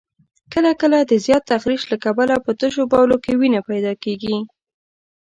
کله کله د زیات تخریش له کبله په تشو بولو کې وینه پیدا کېږي.